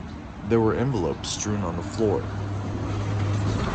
There were envelopes strewn on the floor.